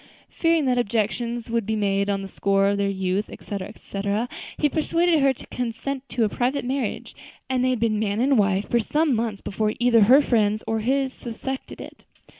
Fearing that objections would be made on the score of their youth, etc., etc., he persuaded her to consent to a private marriage, and they had been man and wife for some months before either her friends or his suspected it.